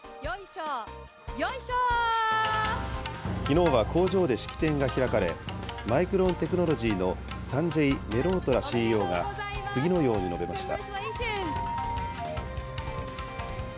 きのうは工場で式典が開かれ、マイクロンテクノロジーのサンジェイ・メロートラＣＥＯが次のように述べました。